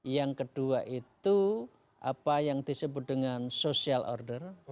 yang kedua itu apa yang disebut dengan social order